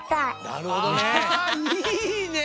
なるほどね。